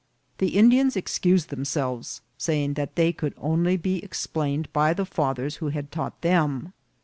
The Indians excused themselves, saying that they could only be ex plained by the fathers who had taught them.